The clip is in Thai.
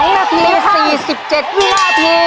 ๒นาที๔๗วินาที